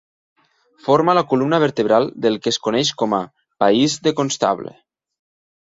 Forma la columna vertebral del que es coneix com a "país de Constable".